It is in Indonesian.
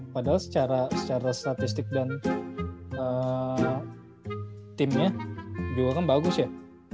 padahal secara statistik dan timnya juga kan bagus ya